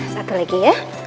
satu lagi ya